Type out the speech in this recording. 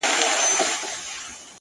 سوال جواب د اور لمبې د اور ګروزونه!!